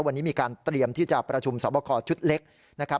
วันนี้มีการเตรียมที่จะประชุมสวรรค์ชุดเล็ก